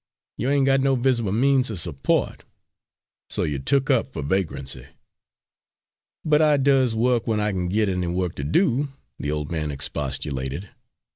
You ain't got no visible means of suppo't, so you're took up for vagrancy." "But I does wo'k we'n I kin git any wo'k ter do," the old man expostulated.